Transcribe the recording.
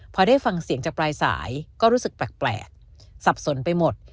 พอได้ฟังเสียงจากปลายสายก็รู้สึกแปลกสับสนไปหมด